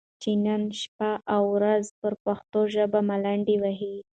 چې نن شپه او ورځ پر پښتو ژبه ملنډې وهي،